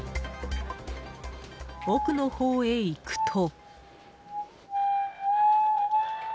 奥のほうへ行くと。